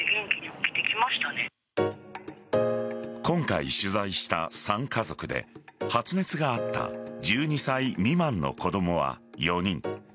今回取材した３家族で発熱があった１２歳未満の子供は４人。